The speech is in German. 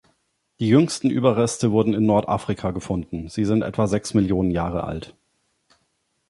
Die jüngsten Überreste wurde in Nordafrika gefunden, sie sind etwa sechs Millionen Jahre alt.